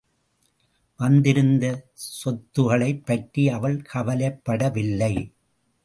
வந்திருந்த சொத்தைகளைப் பற்றி அவள் கவலைப்படவில்லை.